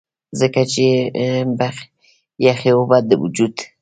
ځکه چې يخې اوبۀ د وجود